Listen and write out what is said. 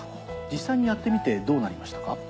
実際にやってみてどうなりましたか？